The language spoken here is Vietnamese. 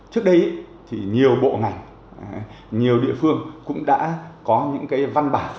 trước đây thì nhiều bộ ngành nhiều địa phương cũng đã có những cái văn bản